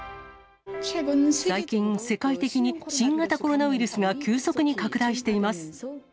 最近、世界的に新型コロナウイルスが急速に拡大しています。